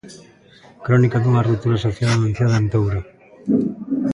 Crónica dunha ruptura social anunciada en Touro.